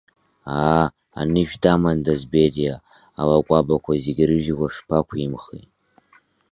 Аа, анышә дамандаз Бериа, Алакәабақәа зегьы рыжәла шԥақәимхи?!